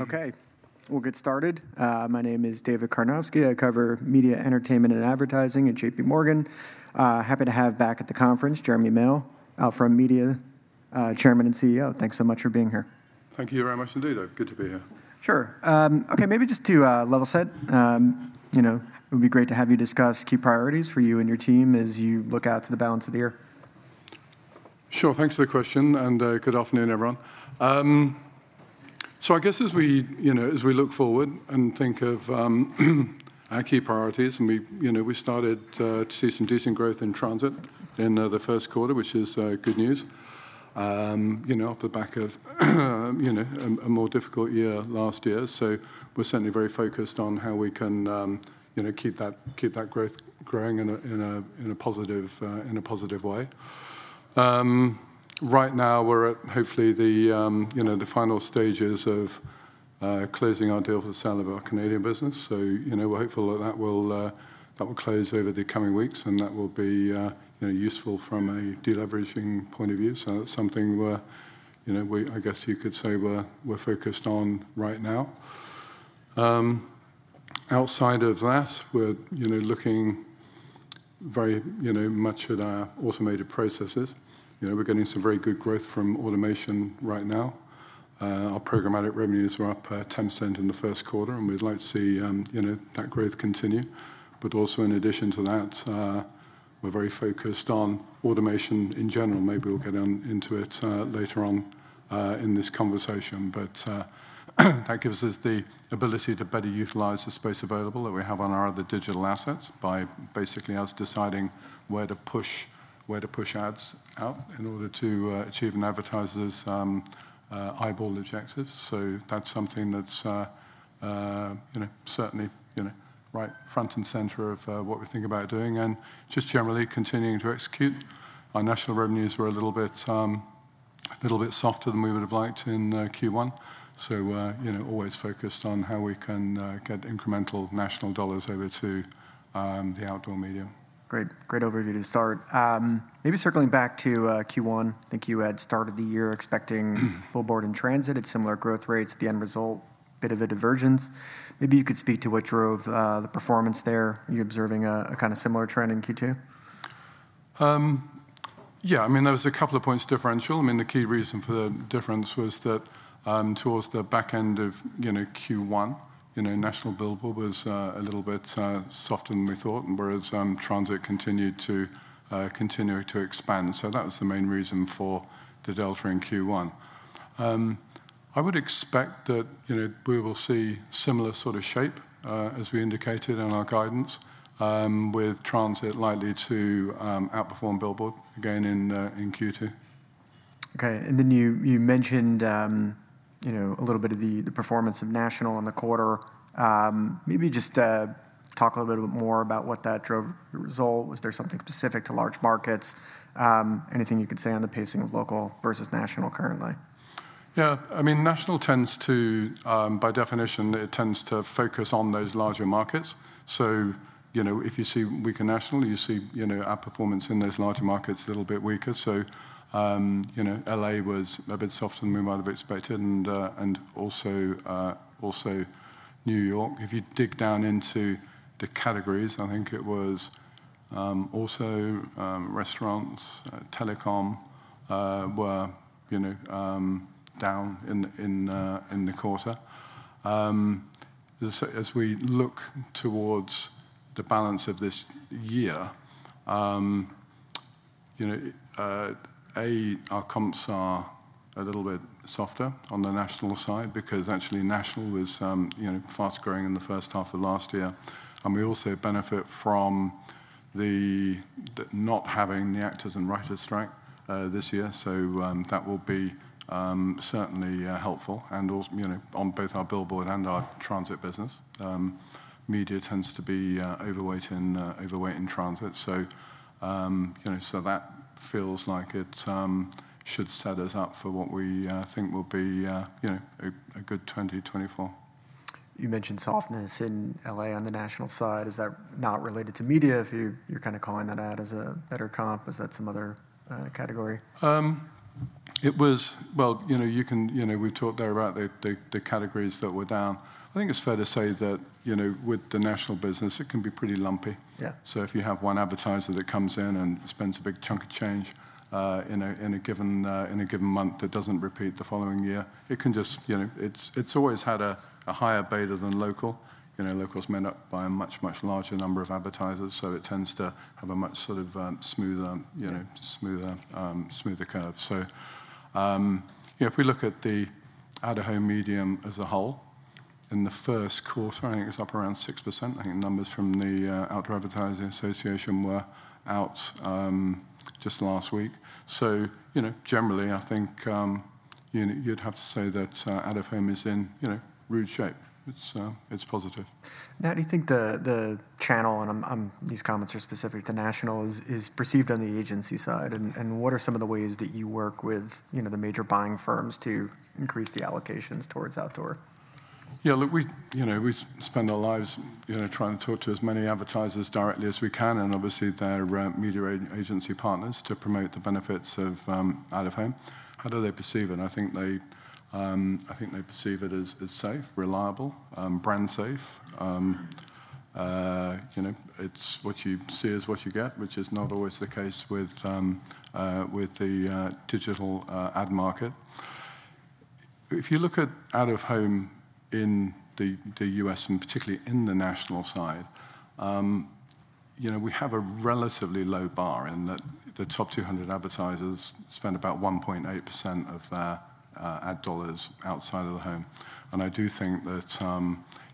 Okay, we'll get started. My name is David Karnovsky. I cover media, entertainment, and advertising at J.P. Morgan. Happy to have back at the conference, Jeremy Male, OUTFRONT Media chairman and CEO. Thanks so much for being here. Thank you very much indeed, David. Good to be here. Sure. Okay, maybe just to level set, you know, it would be great to have you discuss key priorities for you and your team as you look out to the balance of the year. Sure. Thanks for the question, and, good afternoon, everyone. So I guess as we, you know, as we look forward and think of, our key priorities, and we've, you know, we started, to see some decent growth in transit in, the first quarter, which is, good news. You know, off the back of, you know, a more difficult year last year. So we're certainly very focused on how we can, you know, keep that- keep that growth growing in a positive way. Right now, we're at, hopefully, the, you know, the final stages of, closing our deal for the sale of our Canadian business. So, you know, we're hopeful that will close over the coming weeks, and that will be, you know, useful from a deleveraging point of view. So that's something we're, you know, I guess you could say we're focused on right now. Outside of that, we're, you know, looking very, you know, much at our automated processes. You know, we're getting some very good growth from automation right now. Our programmatic revenues were up 10% in the first quarter, and we'd like to see, you know, that growth continue. But also in addition to that, we're very focused on automation in general. Maybe we'll get down into it later on in this conversation, but that gives us the ability to better utilize the space available that we have on our other digital assets by basically us deciding where to push, where to push ads out in order to achieve an advertiser's eyeball objectives. So that's something that's you know certainly you know right front and center of what we're thinking about doing and just generally continuing to execute. Our national revenues were a little bit a little bit softer than we would have liked in Q1, so you know always focused on how we can get incremental national dollars over to the outdoor media. Great. Great overview to start. Maybe circling back to Q1, I think you had started the year expecting billboard and transit at similar growth rates. The end result, bit of a divergence. Maybe you could speak to what drove the performance there. Are you observing a kind of similar trend in Q2? Yeah. I mean, there was a couple of points differential. I mean, the key reason for the difference was that, towards the back end of, you know, Q1, you know, national billboard was a little bit softer than we thought, and whereas transit continued to expand. So that was the main reason for the delta in Q1. I would expect that, you know, we will see similar sort of shape as we indicated in our guidance, with transit likely to outperform billboard again in Q2. Okay, and then you mentioned, you know, a little bit of the performance of national in the quarter. Maybe just talk a little bit more about what that drove the result. Was there something specific to large markets? Anything you could say on the pacing of local versus national currently? Yeah. I mean, national tends to... By definition, it tends to focus on those larger markets. So, you know, if you see weaker national, you see, you know, our performance in those larger markets a little bit weaker. So, you know, L.A. was a bit softer than we might have expected, and, and also New York. If you dig down into the categories, I think it was also restaurants, telecom, were, you know, down in, in the quarter. As we look towards the balance of this year, you know, A, our comps are a little bit softer on the national side because actually national was, you know, fast-growing in the first half of last year. We also benefit from the not having the actors and writers strike this year, so that will be certainly helpful, and also, you know, on both our billboard and our transit business. Media tends to be overweight in transit, so you know, so that feels like it should set us up for what we think will be, you know, a good 2024. You mentioned softness in L.A. on the national side. Is that not related to media, if you're kind of calling that out as a better comp? Is that some other category? Well, you know, you can— You know, we've talked there about the categories that were down. I think it's fair to say that, you know, with the national business, it can be pretty lumpy. Yeah. So if you have one advertiser that comes in and spends a big chunk of change in a given month that doesn't repeat the following year, it can just, you know... It's always had a higher beta than local. You know, local's made up by a much larger number of advertisers, so it tends to have a much sort of smoother, you know, smoother curve. So, you know, if we look at the out-of-home medium as a whole, in the first quarter, I think it was up around 6%. I think numbers from the Out of Home Advertising Association of America were out just last week. So, you know, generally, I think, you know, you'd have to say that out-of-home is in, you know, good shape. It's positive. Now, do you think the channel, these comments are specific to national, is perceived on the agency side? And what are some of the ways that you work with, you know, the major buying firms to increase the allocations towards outdoor? Yeah, look, we, you know, we spend our lives, you know, trying to talk to as many advertisers directly as we can, and obviously, their media agency partners to promote the benefits of out-of-home. How do they perceive it? I think they, I think they perceive it as safe, reliable, brand safe. You know, it's what you see is what you get, which is not always the case with the digital ad market. If you look at out-of-home in the U.S., and particularly in the national side, you know, we have a relatively low bar in that the top 200 advertisers spend about 1.8% of their ad dollars outside of the home. And I do think that,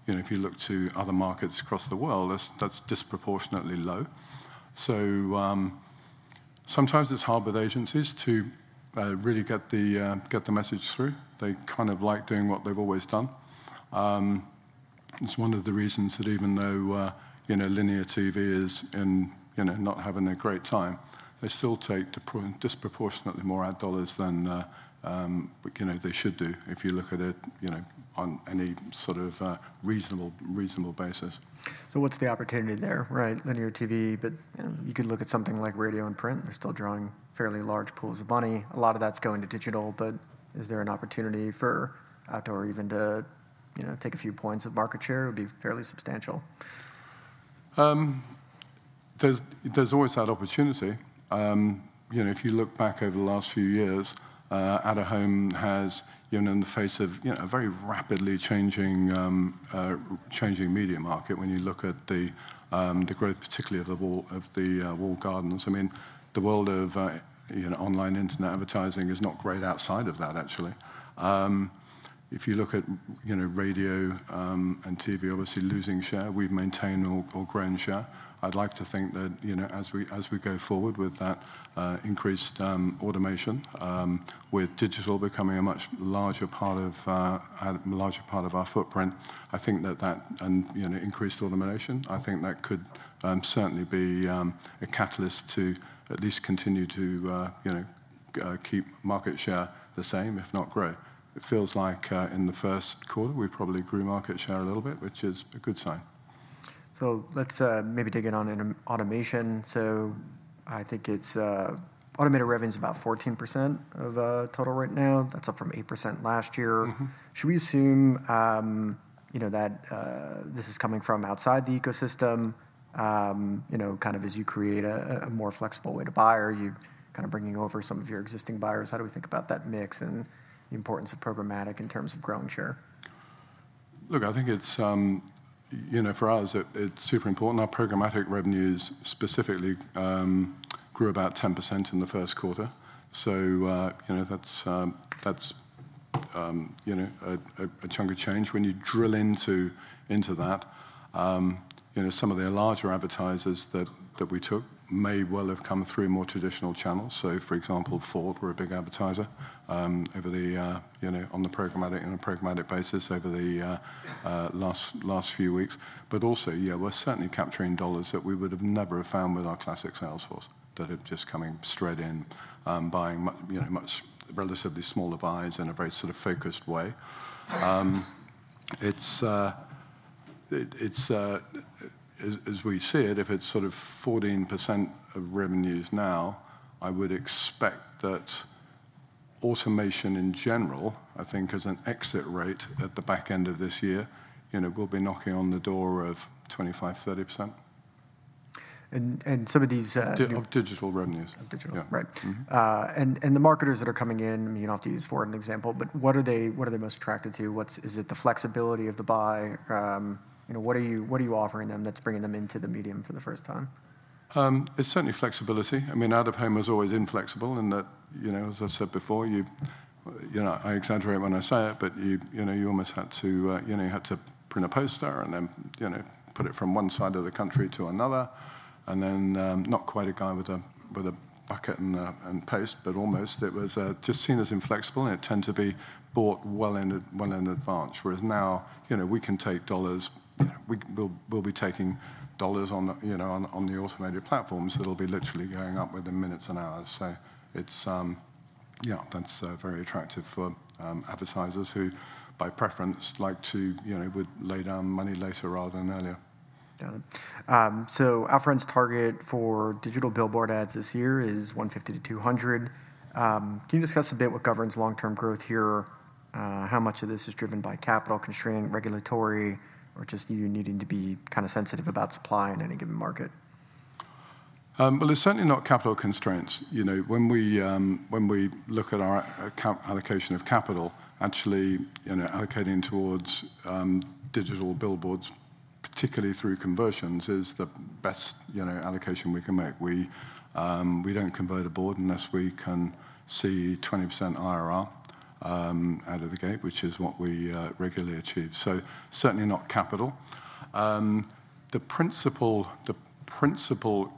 you know, if you look to other markets across the world, that's disproportionately low. So, sometimes it's hard with agencies to really get the message through. They kind of like doing what they've always done. It's one of the reasons that even though, you know, linear TV is in, you know, not having a great time, they still take disproportionately more ad dollars than, you know, they should do if you look at it, you know, on any sort of reasonable basis. So what's the opportunity there, right? Linear TV, but, you know, you could look at something like radio and print. They're still drawing fairly large pools of money. A lot of that's going to digital, but is there an opportunity for outdoor even to, you know, take a few points of market share? It would be fairly substantial. There's, there's always that opportunity. You know, if you look back over the last few years, out-of-home has, even in the face of, you know, a very rapidly changing, changing media market, when you look at the, the growth particularly of the wall- of the, walled gardens. I mean, the world of, you know, online internet advertising is not great outside of that, actually. If you look at, you know, radio, and TV, obviously losing share, we've maintained or grown share. I'd like to think that, you know, as we go forward with that, increased automation, with digital becoming a much larger part of, larger part of our footprint, I think that that... You know, increased automation, I think that could certainly be a catalyst to at least continue to, you know, keep market share the same, if not grow. It feels like in the first quarter, we probably grew market share a little bit, which is a good sign. So let's maybe take it on in automation. So I think it's automated revenue is about 14% of total right now. That's up from 8% last year. Mm-hmm. Should we assume, you know, that this is coming from outside the ecosystem, you know, kind of as you create a more flexible way to buy? Are you kind of bringing over some of your existing buyers? How do we think about that mix and the importance of programmatic in terms of growing share? Look, I think it's, you know, for us, it, it's super important. Our programmatic revenues specifically grew about 10% in the first quarter. So, you know, that's, that's, you know, a chunk of change. When you drill into that, you know, some of their larger advertisers that we took may well have come through more traditional channels. So, for example, Ford were a big advertiser over the, you know, on the programmatic, on a programmatic basis over the, last few weeks. But also, yeah, we're certainly capturing dollars that we would have never have found with our classic sales force, that have just coming straight in, buying you know, much relatively smaller buys in a very sort of focused way. It's, it, it's... As we see it, if it's sort of 14% of revenues now, I would expect that automation in general, I think as an exit rate at the back end of this year, you know, will be knocking on the door of 25%-30%. And some of these, Digital revenues. Digital. Yeah. Right. Mm-hmm. And the marketers that are coming in, you know, you don't have to use Ford as an example, but what are they most attracted to? What is it? Is it the flexibility of the buy? You know, what are you offering them that's bringing them into the medium for the first time? It's certainly flexibility. I mean, out-of-home was always inflexible in that, you know, as I've said before, you know, I exaggerate when I say it, but you know, you had to print a poster and then, you know, put it from one side of the country to another. And then, not quite a guy with a, with a bucket and paste, but almost. It was just seen as inflexible, and it tend to be bought well in a, well in advance. Whereas now, you know, we can take dollars. We'll be taking dollars on the, you know, on the automated platforms, that'll be literally going up within minutes and hours. So it's... Yeah, that's very attractive for advertisers who, by preference, like to, you know, would lay down money later rather than earlier. Got it. So OUTFRONT's target for digital billboard ads this year is 150-200. Can you discuss a bit what governs long-term growth here? How much of this is driven by capital constraint, regulatory, or just you needing to be kind of sensitive about supply in any given market? Well, it's certainly not capital constraints. You know, when we, when we look at our allocation of capital, actually, you know, allocating towards, digital billboards, particularly through conversions, is the best, you know, allocation we can make. We, we don't convert a board unless we can see 20% IRR, out of the gate, which is what we, regularly achieve, so certainly not capital. The principal, the principal,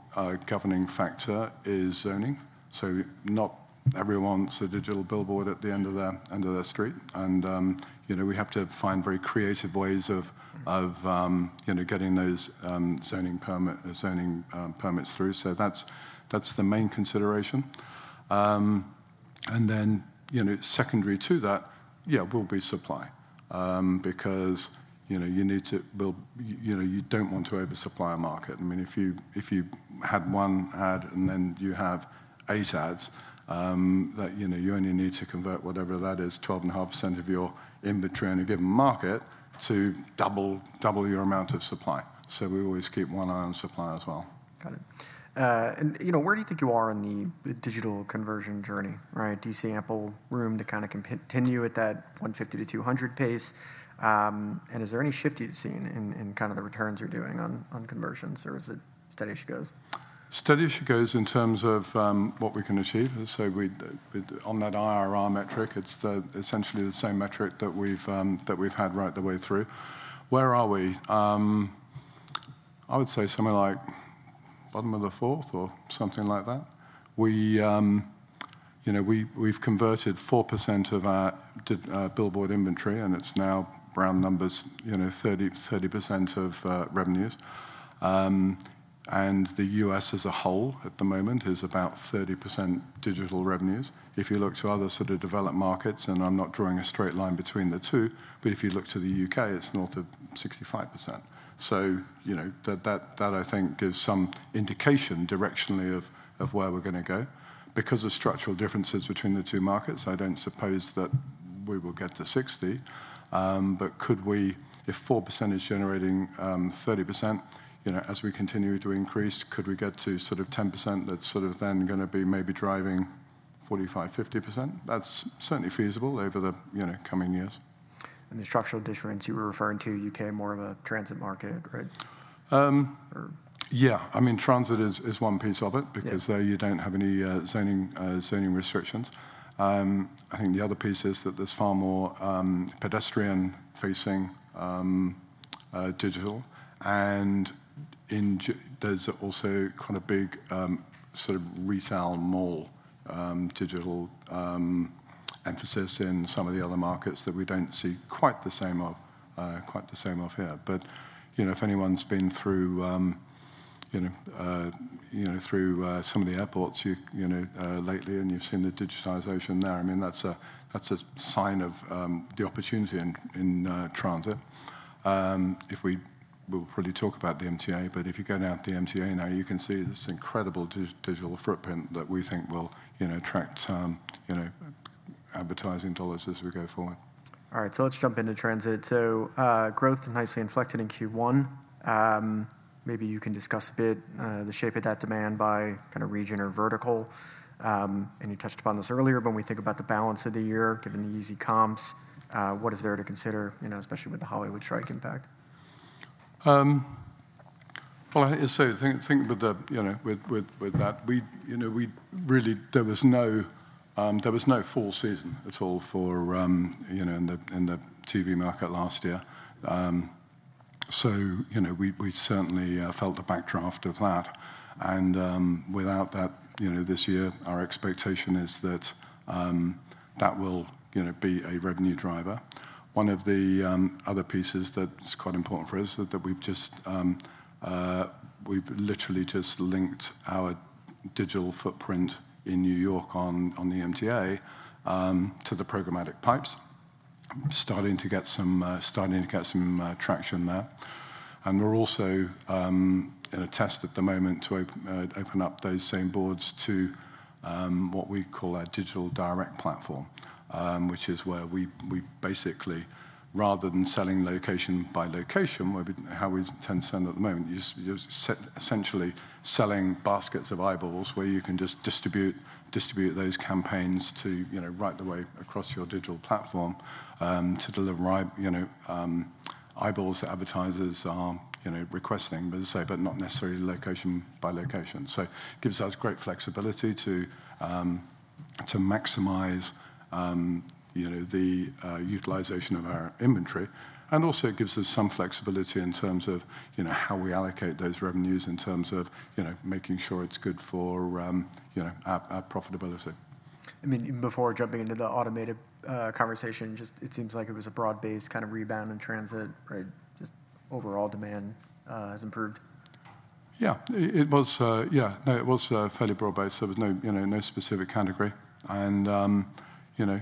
governing factor is zoning. So not everyone wants a digital billboard at the end of their, end of their street. And, you know, we have to find very creative ways of, of, you know, getting those, zoning permit, zoning, permits through. So that's, that's the main consideration. And then, you know, secondary to that, yeah, will be supply. Because, you know, you need to you know, you don't want to oversupply a market. I mean, if you, if you had one ad, and then you have eight ads, that, you know, you only need to convert whatever that is, 12.5% of your inventory in a given market to double, double your amount of supply. So we always keep one eye on supply as well. Got it. And, you know, where do you think you are in the, the digital conversion journey, right? Do you see ample room to kind of continue at that 150-200 pace? And is there any shift you've seen in, in kind of the returns you're doing on, on conversions, or is it steady as she goes? Steady as she goes in terms of what we can achieve. So we on that IRR metric, it's essentially the same metric that we've that we've had right the way through. Where are we? I would say something like bottom of the fourth or something like that. We, you know, we, we've converted 4% of our digital billboard inventory, and it's now round numbers, you know, 30, 30% of revenues. And the U.S. as a whole at the moment is about 30% digital revenues. If you look to other sort of developed markets, and I'm not drawing a straight line between the two, but if you look to the U.K., it's north of 65%. So, you know, that, that, that I think gives some indication directionally of where we're gonna go. Because of structural differences between the two markets, I don't suppose that we will get to 60, but could we... If 4% is generating 30%, you know, as we continue to increase, could we get to sort of 10% that's sort of then gonna be maybe driving 45%-50%? That's certainly feasible over the, you know, coming years. The structural difference you were referring to, U.K., more of a transit market, right? Um- Or- Yeah. I mean, transit is one piece of it- Yeah Because there you don't have any zoning restrictions. I think the other piece is that there's far more pedestrian-facing digital, and in JFK there's also kind of big sort of retail mall digital emphasis in some of the other markets that we don't see quite the same of here. But, you know, if anyone's been through some of the airports, you know, lately, and you've seen the digitization there, I mean, that's a sign of the opportunity in transit. If we'll probably talk about the MTA, but if you go down to the MTA now, you can see this incredible digital footprint that we think will, you know, attract, you know, advertising dollars as we go forward. All right, so let's jump into transit. Growth nicely inflected in Q1. Maybe you can discuss a bit the shape of that demand by kind of region or vertical. And you touched upon this earlier, but when we think about the balance of the year, given the easy comps, what is there to consider, you know, especially with the Hollywood strike impact? Well, I think, so the thing with the, you know, with that, we, you know, there was no fall season at all for, you know, in the TV market last year. So, you know, we certainly felt the backdraft of that. And, without that, you know, this year, our expectation is that that will, you know, be a revenue driver. One of the other pieces that's quite important for us is that we've literally just linked our digital footprint in New York on the MTA to the programmatic pipes. We're starting to get some traction there. And we're also in a test at the moment to open up those same boards to what we call our Digital Direct platform, which is where we basically, rather than selling location by location, where we how we tend to sell at the moment, you're essentially selling baskets of eyeballs, where you can just distribute those campaigns to, you know, right the way across your digital platform, to deliver eyeballs that advertisers are, you know, requesting, but as I say, but not necessarily location by location. So gives us great flexibility to maximize, you know, the utilization of our inventory, and also gives us some flexibility in terms of, you know, how we allocate those revenues in terms of, you know, making sure it's good for, you know, our profitability. I mean, before jumping into the automated, conversation, just it seems like it was a broad-based kind of rebound in transit, right? Just overall demand, has improved. Yeah, it was fairly broad-based, so there was no, you know, no specific category. You know, it is, if you, you know,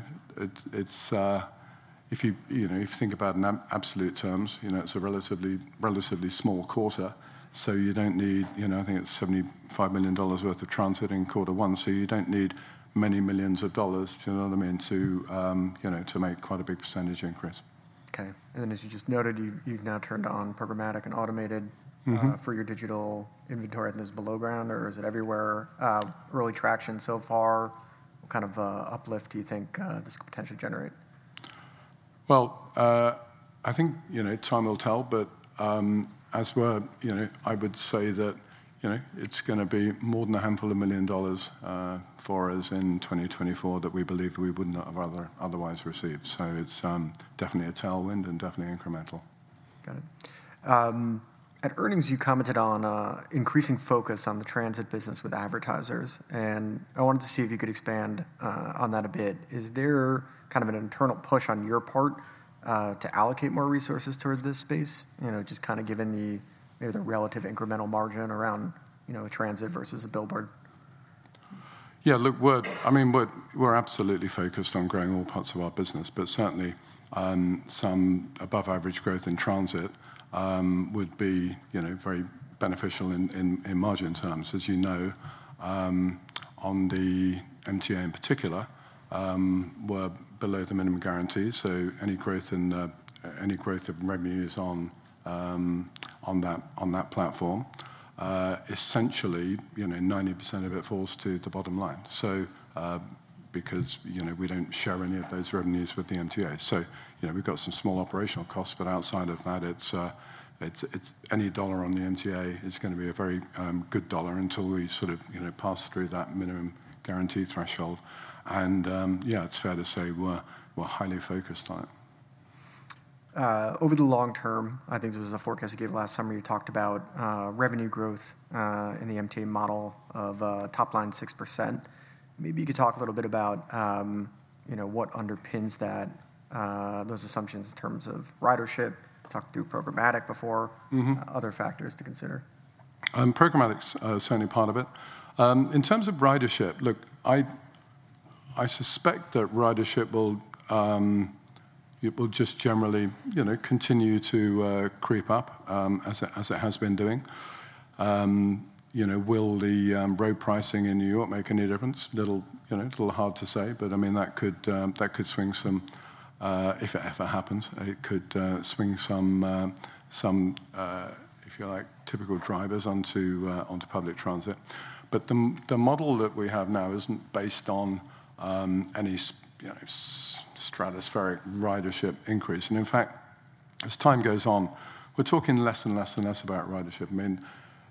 if you think about in absolute terms, you know, it's a relatively, relatively small quarter, so you don't need, you know, I think it's $75 million worth of transit in quarter one, so you don't need many millions of dollars, you know what I mean, to make quite a big percentage increase. Okay. And then, as you just noted, you've now turned on programmatic and automated- Mm-hmm For your digital inventory, and this is below ground, or is it everywhere? Early traction so far, what kind of uplift do you think this could potentially generate? Well, I think, you know, time will tell, but as well, you know, I would say that, you know, it's gonna be more than a handful of $ million for us in 2024 that we believe we would not have otherwise received. So it's definitely a tailwind and definitely incremental. Got it. At earnings, you commented on increasing focus on the transit business with advertisers, and I wanted to see if you could expand on that a bit. Is there kind of an internal push on your part to allocate more resources toward this space? You know, just kind of given maybe the relative incremental margin around, you know, transit versus a billboard? Yeah, look, we're- I mean, we're, we're absolutely focused on growing all parts of our business, but certainly, some above average growth in transit would be, you know, very beneficial in margin terms. As you know, on the MTA in particular, we're below the minimum guarantee, so any growth of revenues on that platform essentially, you know, 90% of it falls to the bottom line. So, because, you know, we don't share any of those revenues with the MTA. So, you know, we've got some small operational costs, but outside of that, it's any dollar on the MTA is gonna be a very good dollar until we sort of, you know, pass through that minimum guarantee threshold. Yeah, it's fair to say we're, we're highly focused on it. Over the long-term, I think there was a forecast you gave last summer, you talked about revenue growth in the MTA model of top line 6%. Maybe you could talk a little bit about, you know, what underpins that, those assumptions in terms of ridership. Talked through programmatic before- Mm-hmm. Other factors to consider. Programmatic's certainly part of it. In terms of ridership, look, I suspect that ridership will, it will just generally, you know, continue to creep up, as it has been doing. You know, will the road pricing in New York make any difference? Little, you know, it's a little hard to say, but, I mean, that could, that could swing some, some, if you like, typical drivers onto, onto public transit. But the model that we have now isn't based on, any, you know, stratospheric ridership increase. And in fact, as time goes on, we're talking less and less and less about ridership. I mean,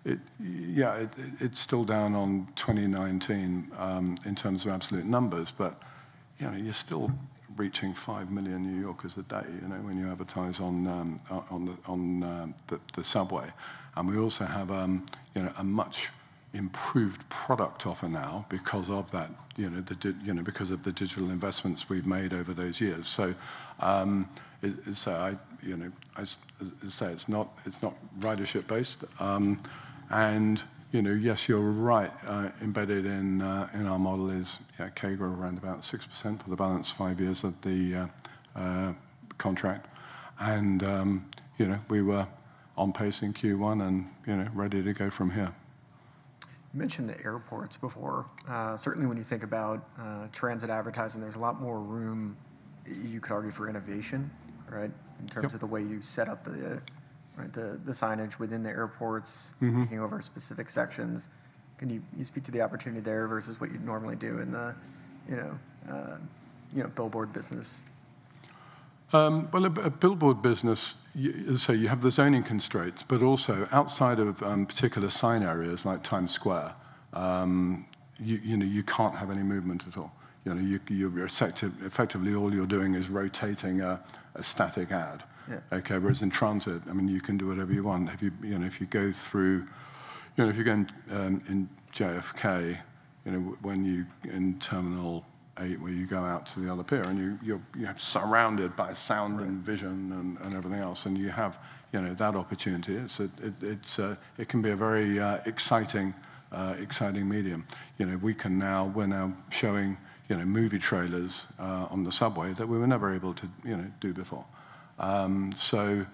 it... Yeah, it's still down on 2019, in terms of absolute numbers, but, you know, you're still reaching 5 million New Yorkers a day, you know, when you advertise on the subway. And we also have, you know, a much improved product offer now because of that, you know, because of the digital investments we've made over those years. So, I, you know, I say it's not, it's not ridership based. And, you know, yes, you're right, embedded in our model is, yeah, CAGR around about 6% for the balance 5 years of the contract. And, you know, we were on pace in Q1, and, you know, ready to go from here. You mentioned the airports before. Certainly, when you think about, transit advertising, there's a lot more room you could argue for innovation, right? Yep. In terms of the way you set up the right signage within the airports- Mm-hmm Taking over specific sections. Can you speak to the opportunity there versus what you'd normally do in the, you know, you know, billboard business? Well, a billboard business, so you have the zoning constraints, but also outside of particular sign areas like Times Square, you know, you can't have any movement at all. You know, you're effectively all you're doing is rotating a static ad. Yeah. Okay? Whereas in transit, I mean, you can do whatever you want. If you, you know, if you go through—you know, if you're going in JFK, you know, when you... In Terminal 8, where you go out to the other pier, and you're surrounded by sound and- Right Vision and everything else, and you have, you know, that opportunity. It's—it can be a very exciting medium. You know, we can now—we're now showing, you know, movie trailers on the subway that we were never able to, you know, do before. So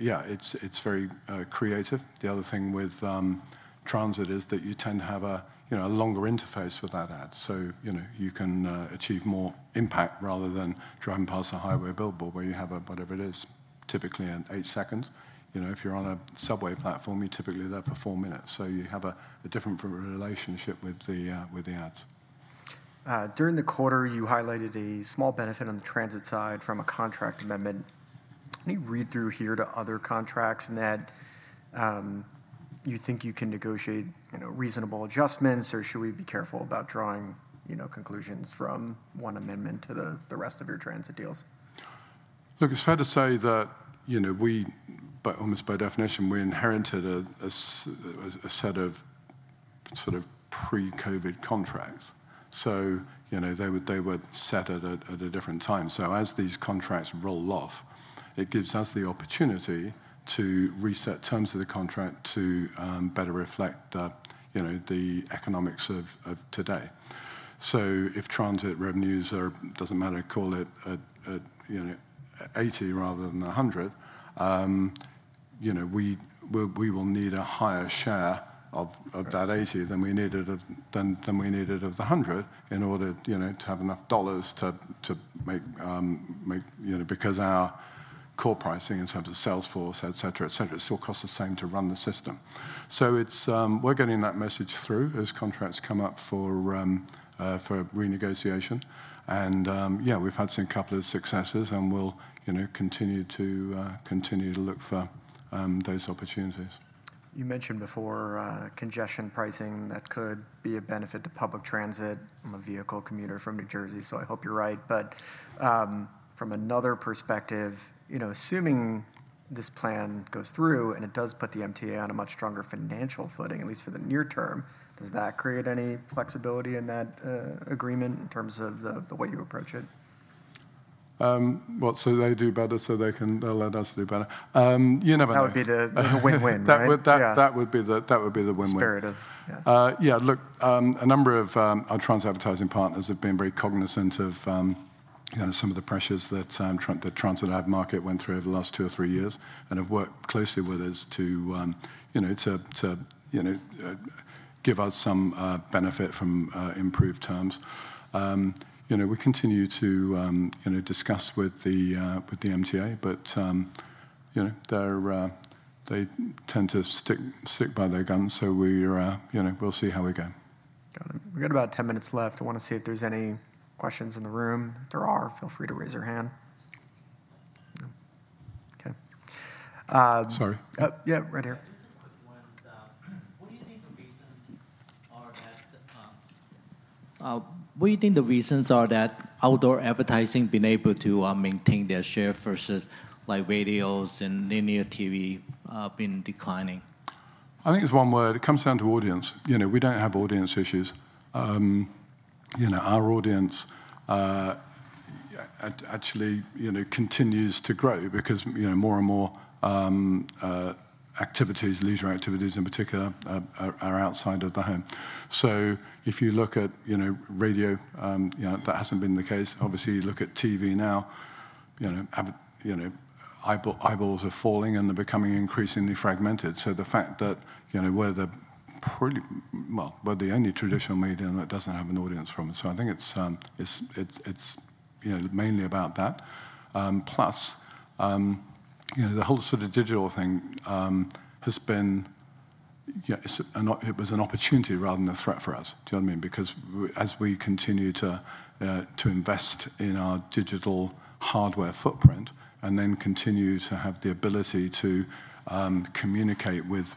yeah, it's very creative. The other thing with transit is that you tend to have a, you know, a longer interface with that ad. So, you know, you can achieve more impact rather than driving past a highway billboard, where you have a, whatever it is, typically an 8-second. You know, if you're on a subway platform, you're typically there for 4 minutes, so you have a different relationship with the ads. During the quarter, you highlighted a small benefit on the transit side from a contract amendment. Any read-through here to other contracts in that you think you can negotiate, you know, reasonable adjustments, or should we be careful about drawing, you know, conclusions from one amendment to the rest of your transit deals? Look, it's fair to say that, you know, we, by almost by definition, we inherited a set of sort of pre-COVID contracts. So, you know, they were, they were set at a different time. So as these contracts roll off, it gives us the opportunity to reset terms of the contract to better reflect the, you know, the economics of today. So if transit revenues are, doesn't matter, call it a, you know, 80 rather than a 100, you know, we, we, we will need a higher share of that 80 than we needed of than we needed of the 100, in order, you know, to have enough dollars to make, you know, because our core pricing in terms of sales force, et cetera, et cetera, it still costs the same to run the system. So it's. We're getting that message through as contracts come up for renegotiation. And, yeah, we've had seen a couple of successes, and we'll, you know, continue to look for those opportunities. You mentioned before, congestion pricing that could be a benefit to public transit. I'm a vehicle commuter from New Jersey, so I hope you're right. But, from another perspective, you know, assuming this plan goes through, and it does put the MTA on a much stronger financial footing, at least for the near term, does that create any flexibility in that, agreement in terms of the, the way you approach it? What, so they do better so they can - they'll let us do better? You never know. That would be the win-win, right? That would- Yeah. That would be the win-win. Aspirative, yeah. Yeah, look, a number of our transit advertising partners have been very cognizant of, you know, some of the pressures that the transit ad market went through over the last two or three years, and have worked closely with us to, you know, to give us some benefit from improved terms. You know, we continue to, you know, discuss with the MTA, but, you know, they're, they tend to stick by their guns, so we are, you know, we'll see how we go. Got it. We've got about 10 minutes left. I wanna see if there's any questions in the room. If there are, feel free to raise your hand. No? Okay. Sorry. Yeah, right here. Just a quick one. What do you think the reasons are that outdoor advertising been able to maintain their share versus, like, radios and linear TV been declining? I think it's one word. It comes down to audience. You know, we don't have audience issues. You know, our audience, actually, you know, continues to grow because, you know, more and more, activities, leisure activities in particular, are outside of the home. So if you look at, you know, radio, you know, that hasn't been the case. Obviously, you look at TV now, you know, eyeballs are falling, and they're becoming increasingly fragmented. So the fact that, you know, well, we're the only traditional medium that doesn't have an audience from it. So I think it's, you know, mainly about that. Plus, you know, the whole sort of digital thing has been, yeah, it was an opportunity rather than a threat for us. Do you know what I mean? Because as we continue to invest in our digital hardware footprint, and then continue to have the ability to communicate with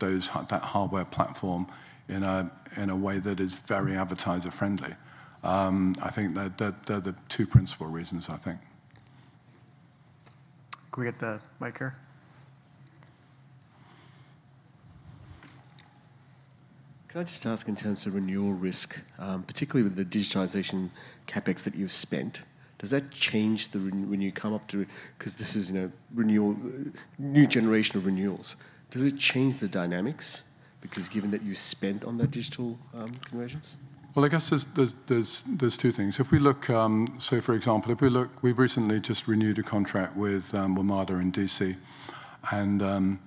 that hardware platform in a way that is very advertiser-friendly. I think that they're the two principal reasons, I think. Can we get the mic here? Can I just ask in terms of renewal risk, particularly with the digitization CapEx that you've spent, does that change when you come up to... 'cause this is, you know, renewal, new generation of renewals. Does it change the dynamics? Because given that you spent on that digital, conversions. Well, I guess there's two things. If we look, so for example, if we look—we've recently just renewed a contract with WMATA in D.C. And,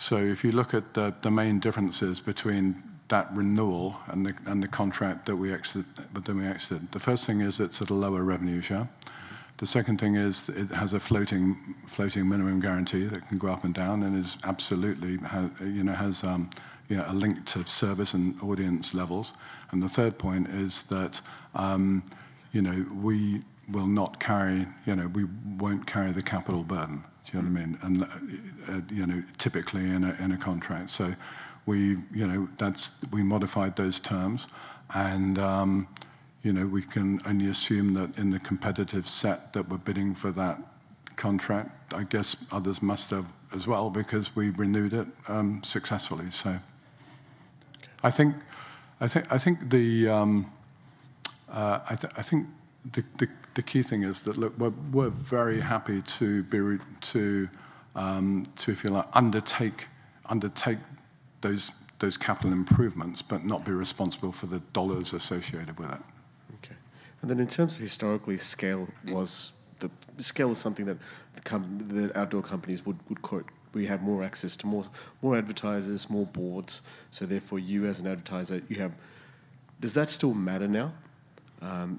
so if you look at the main differences between that renewal and the contract that we actually... The first thing is it's at a lower revenue share. The second thing is it has a floating minimum guarantee that can go up and down, and is absolutely have, you know, has, you know, a link to service and audience levels. And the third point is that, you know, we will not carry, you know, we won't carry the capital burden. Do you know what I mean? And, you know, typically in a contract. So we, you know, that's... We modified those terms, and, you know, we can only assume that in the competitive set that we're bidding for that contract, I guess others must have as well, because we renewed it, successfully, so. Okay. I think the key thing is that, look, we're very happy to, if you like, undertake those capital improvements, but not be responsible for the dollars associated with it. Okay. And then in terms of historically, scale was the... Scale was something that the outdoor companies would quote. We have more access to more advertisers, more boards, so therefore, you as an advertiser, you have... Does that still matter now,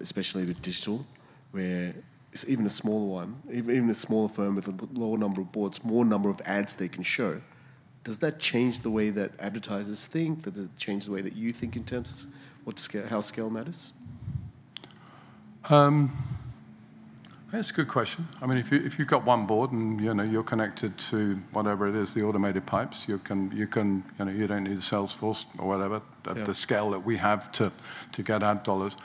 especially with digital, where it's even a small one, even a small firm with a low number of boards, more number of ads they can show? Does that change the way that advertisers think, does it change the way that you think in terms of what scale, how scale matters? That's a good question. I mean, if you, if you've got one board and, you know, you're connected to whatever it is, the automated pipes, you can, you can... you know, you don't need a sales force or whatever- Yeah At the scale that we have to get ad dollars.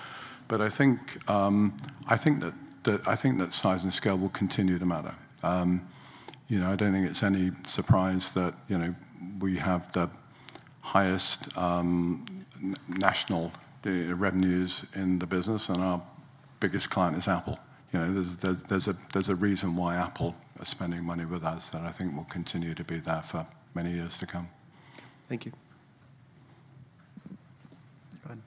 But I think, I think that size and scale will continue to matter. You know, I don't think it's any surprise that, you know, we have the highest national revenues in the business, and our biggest client is Apple. You know, there's a reason why Apple are spending money with us that I think will continue to be there for many years to come. Thank you. Go ahead.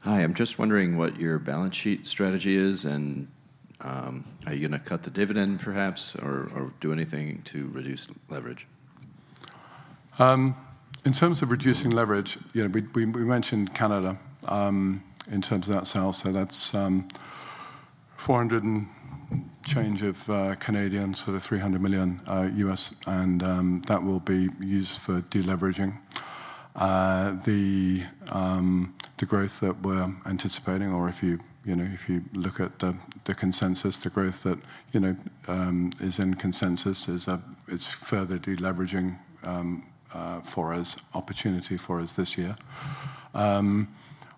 Hi, I'm just wondering what your balance sheet strategy is, and, are you gonna cut the dividend perhaps or, or do anything to reduce leverage? In terms of reducing leverage, you know, we mentioned Canada in terms of that sale. So that's 400 and change of Canadian, so the $300 million US, and that will be used for de-leveraging. The growth that we're anticipating or if you, you know, if you look at the consensus, the growth that, you know, is in consensus, is further de-leveraging opportunity for us this year.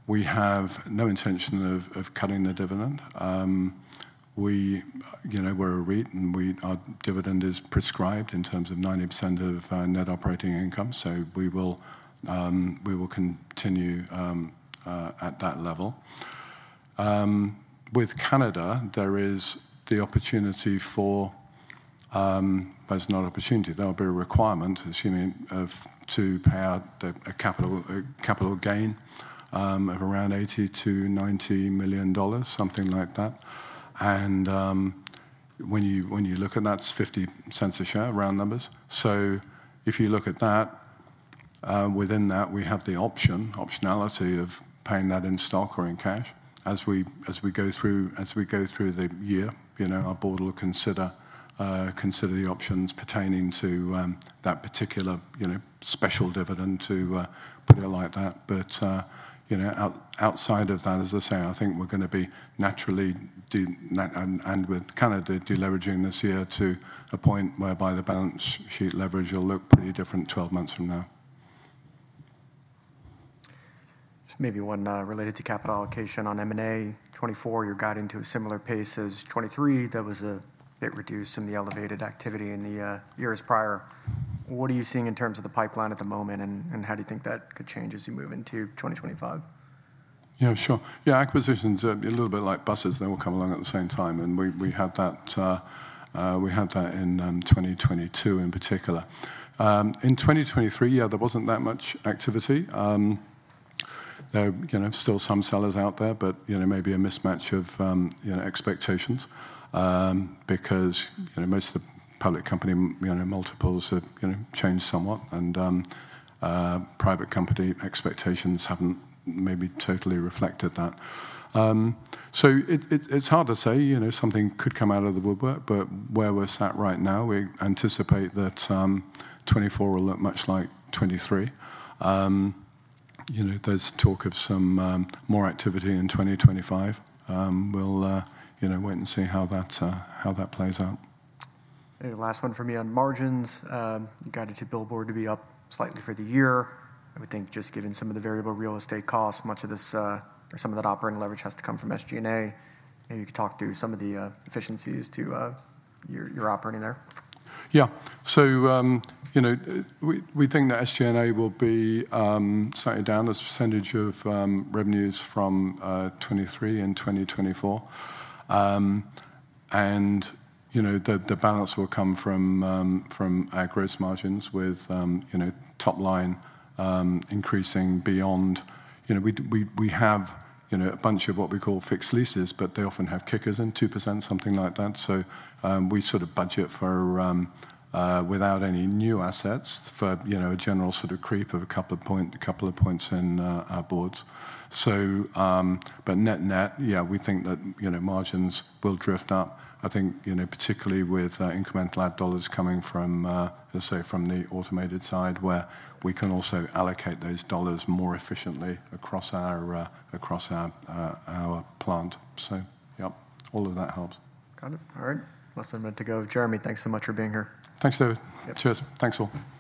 We have no intention of cutting the dividend. We, you know, we're a REIT, and our dividend is prescribed in terms of 90% of net operating income, so we will continue at that level. With Canada, there is the opportunity for... There's no opportunity, there will be a requirement to pay out a capital gain of around $80 million-$90 million, something like that. And when you look, and that's $0.50 a share, round numbers. So if you look at that, within that, we have the option, optionality of paying that in stock or in cash. As we go through the year, you know, our board will consider the options pertaining to that particular, you know, special dividend, to put it like that. But, you know, outside of that, as I say, I think we're going to be naturally deleveraging this year to a point whereby the balance sheet leverage will look pretty different 12 months from now. This may be one related to capital allocation on M&A. 2024, you're guiding to a similar pace as 2023. That was a bit reduced in the elevated activity in the years prior. What are you seeing in terms of the pipeline at the moment, and, and how do you think that could change as you move into 2025? Yeah, sure. Yeah, acquisitions are a little bit like buses. They all come along at the same time, and we had that in 2022, in particular. In 2023, yeah, there wasn't that much activity. There are, you know, still some sellers out there, but, you know, maybe a mismatch of, you know, expectations, because, you know, most of the public company multiples have, you know, changed somewhat, and private company expectations haven't maybe totally reflected that. So it's hard to say. You know, something could come out of the woodwork, but where we're sat right now, we anticipate that 2024 will look much like 2023. You know, there's talk of some more activity in 2025. We'll, you know, wait and see how that plays out. Last one for me. On margins, you guided your billboard to be up slightly for the year. I would think just given some of the variable real estate costs, much of this, or some of that operating leverage has to come from SG&A. Maybe you could talk through some of the efficiencies to your operating there. Yeah. So, you know, we think that SG&A will be slightly down as a percentage of revenues from 2023 and 2024. And, you know, the balance will come from our gross margins with, you know, top line increasing beyond... You know, we have, you know, a bunch of what we call fixed leases, but they often have kickers in, 2%, something like that. So, we sort of budget for, without any new assets for, you know, a general sort of creep of a couple of points in our boards. So, but net net, yeah, we think that, you know, margins will drift up. I think, you know, particularly with incremental ad dollars coming from, let's say, from the automated side, where we can also allocate those dollars more efficiently across our plant. So yeah, all of that helps. Got it. All right. Less than a minute to go. Jeremy, thanks so much for being here. Thanks, David. Yep. Cheers. Thanks, all.